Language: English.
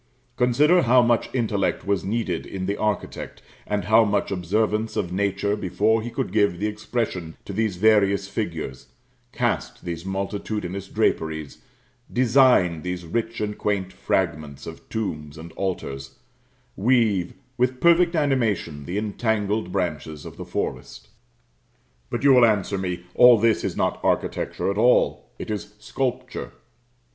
Consider how much intellect was needed in the architect, and how much observance of nature before he could give the expression to these various figures cast these multitudinous draperies design these rich and quaint fragments of tombs and altars weave with perfect animation the entangled branches of the forest. But you will answer me, all this is not architecture at all it is sculpture.